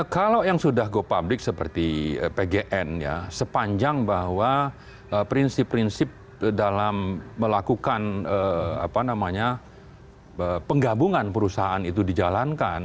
kalau yang sudah go public seperti pgn ya sepanjang bahwa prinsip prinsip dalam melakukan penggabungan perusahaan itu dijalankan